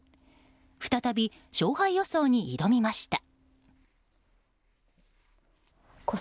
再び勝敗予想に挑みました。